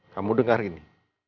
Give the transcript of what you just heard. kamu dengar ini